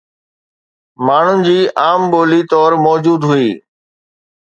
ماڻهن جي عام ٻولي طور موجود هئي